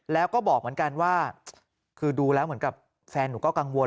แล้วก็บอกเหมือนกันว่าคือดูแล้วเหมือนกับแฟนหนูก็กังวล